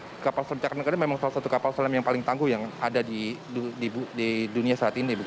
ini dibuat dan kapal selam caknengkara memang salah satu kapal selam yang paling tangguh yang ada di dunia saat ini